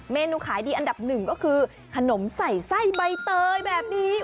เมนูขายดีอันดับหนึ่งก็คือขนมใส่ไส้ใบเตยแบบนี้